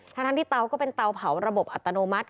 ทั้งที่เตาก็เป็นเตาเผาระบบอัตโนมัติ